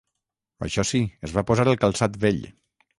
Això sí, es va posar el calçat vell.